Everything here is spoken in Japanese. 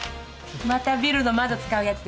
またビルの窓使うやつですか。